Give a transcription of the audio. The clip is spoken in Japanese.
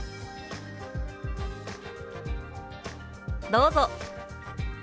どうぞ。